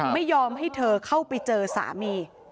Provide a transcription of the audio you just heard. ไม่ยอมให้เธอเข้าไปเจอสามี